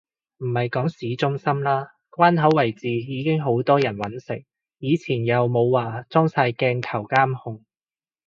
唔係講市中心啦，關口位置已經好多人搵食，以前又冇話裝晒鏡頭監控